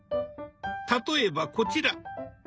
例えばこちら。